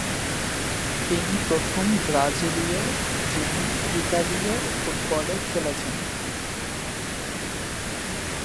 তিনি প্রথম ব্রাজিলীয়, যিনি ইতালীয় ফুটবলে খেলেছেন।